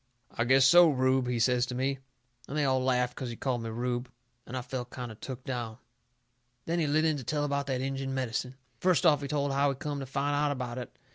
"I guess so, Rube," he says to me. And they all laughed 'cause he called me Rube, and I felt kind of took down. Then he lit in to tell about that Injun medicine. First off he told how he come to find out about it.